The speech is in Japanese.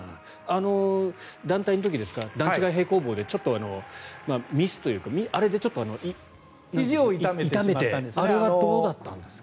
団体の時段違い平行棒でちょっとミスというかあれでちょっとひじを痛めたそうなんですがあれはどうだったんですか？